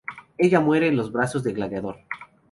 Ella muere en los brazos de Gladiador.